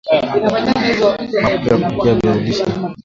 Mafuta ya kupikia viazi lishe